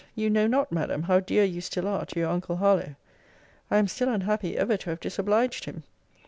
You know not, Madam, how dear you still are to your uncle Harlowe! I am still unhappy ever to have disobliged him!